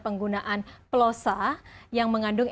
penggunaan pelosa yang mengandung